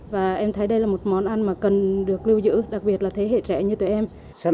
và em thấy đây là một món ăn mà cần được lưu giữ đặc biệt là thế hệ trẻ như tụi em